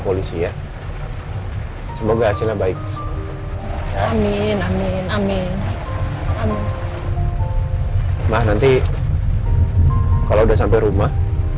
polisi ya semoga hasilnya baik amin amin amin nah nanti kalau udah sampai rumah